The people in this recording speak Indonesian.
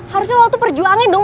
harusnya lo tuh perjuangin dong